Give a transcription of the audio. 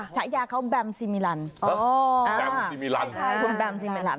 ใช้ยาเขาแบมซีมีลันอ๋อแบมซีมีลันคุณแบมซีมีลัน